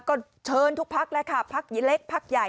ก็เชิญทุกพักแล้วค่ะพักเล็กพักใหญ่